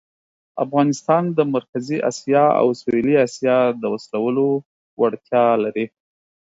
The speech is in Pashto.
افغانستان د مرکزي آسیا او سویلي آسیا د وصلولو وړتیا لري.